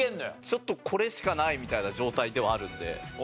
ちょっとこれしかないみたいな状態ではあるんで。